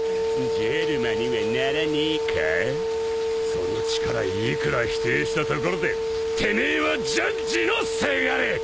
その力いくら否定したところでてめえはジャッジのせがれ！